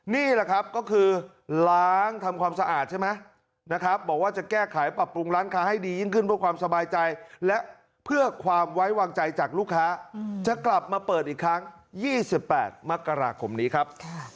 นี่แหละครับก็คือล้างทำความสะอาดใช่ไหมนะครับบอกว่าจะแก้ไขปรับปรุงร้านค้าให้ดียิ่งขึ้นเพื่อความสบายใจและเพื่อความไว้วางใจจากลูกค้าจะกลับมาเปิดอีกครั้ง๒๘มกราคมนี้ครับ